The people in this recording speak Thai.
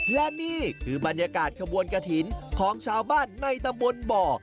และนี่คือบรรยากาศขบวนกระถิ่นของชาวบ้านในตำบลบ่อ